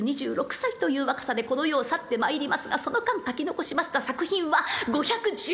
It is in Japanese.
２６歳という若さでこの世を去ってまいりますがその間書き残しました作品は５１２編。